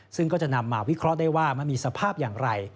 ซึ่งก็จะนำมาวิเคราะห์ได้ว่ามันมีสภาพอย่างไร